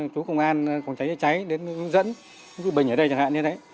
chú công an còn cháy cháy cháy đến dẫn bình ở đây chẳng hạn như thế